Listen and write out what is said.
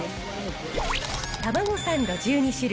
たまごサンド１２種類